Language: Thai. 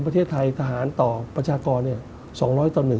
ประเทศไทยทหารต่อประชากร๒๐๐ต่อ๑